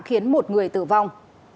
khiến một người tử vong